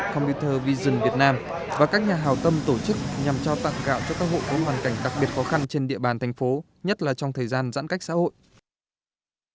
compiter vision việt nam và các nhà hào tâm tổ chức nhằm trao tặng gạo cho các hộ có hoàn cảnh đặc biệt khó khăn trên địa bàn thành phố nhất là trong thời gian giãn cách xã hội